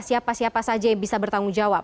siapa siapa saja yang bisa bertanggung jawab